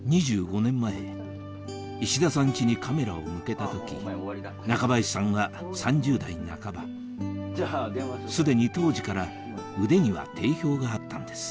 ２５年前石田さんチにカメラを向けた時中林さんは３０代半ばすでに当時から腕には定評があったんです